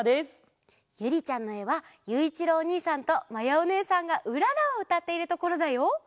ゆりちゃんのえはゆういちろうおにいさんとまやおねえさんが「うらら」をうたっているところだよ。